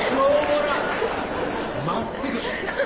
まっすぐ！